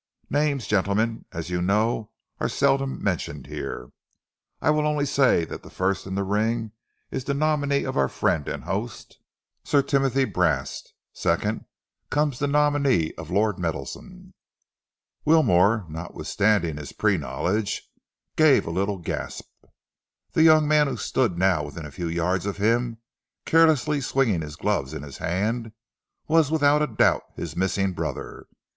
Names, gentlemen, as you know, are seldom mentioned here. I will only say that the first in the ring is the nominee of our friend and host, Sir Timothy Brast; second comes the nominee of Lord Meadowson." Wilmore, notwithstanding his pre knowledge, gave a little gasp. The young man who stood now within a few yards of him, carelessly swinging his gloves in his hand, was without a doubt his missing brother.